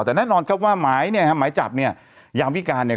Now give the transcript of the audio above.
แต่แน่นอนครับว่าหมายเนี่ยฮะหมายจับเนี่ยยามวิการเนี่ย